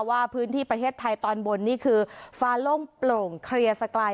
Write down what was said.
ว่าพื้นที่ประเทศไทยตอนบนนี่คือฟ้าโล่งโปร่งเคลียร์สกาย